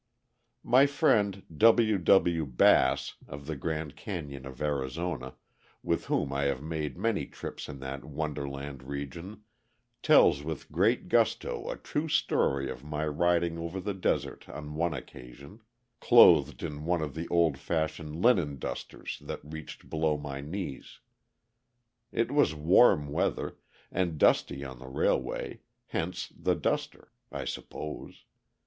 My friend W. W. Bass, of the Grand Canyon of Arizona, with whom I have made many trips in that Wonderland region, tells with great gusto a true story of my riding over the desert on one occasion, clothed in one of the old fashioned linen dusters that reached below my knees. It was warm weather, and dusty on the railway, hence the duster, I suppose.